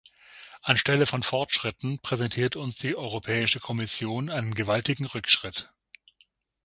Anstelle von Fortschritten präsentiert uns die Europäische Kommission einen gewaltigen Rückschritt.